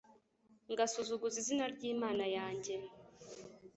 ngasuzuguza izina ry’Imana yanjye